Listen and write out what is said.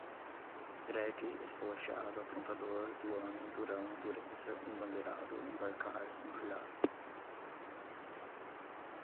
dreque, espolotiado, aprontador, duana, durão, dureza, embandeirado, embarcar, embrulhada